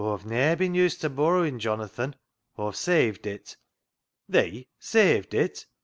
Aw've ne'er bin used ta borraing, Jonathan. Aw've saved it." " Thee saved it